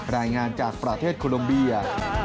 รายงานจากประเทศโคลมเบีย